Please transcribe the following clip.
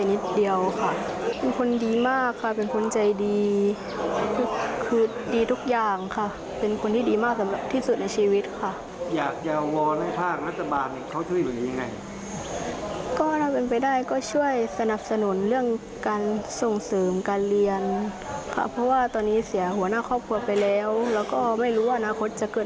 แล้วก็ไม่รู้ว่าอนาคตจะเกิดอะไรขึ้นอีก